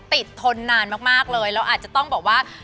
ติดทนนานมากเลยเราอาจจะต้องบอกว่า